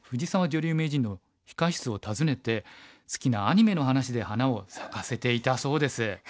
女流名人の控え室を訪ねて好きなアニメの話で花を咲かせていたそうです。